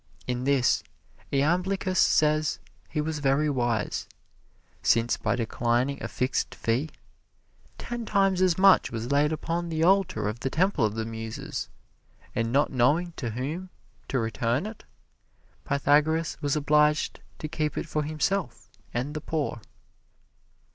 In this, Iamblichus says, he was very wise, since by declining a fixed fee, ten times as much was laid upon the altar of the Temple of the Muses, and not knowing to whom to return it, Pythagoras was obliged to keep it for himself and the poor.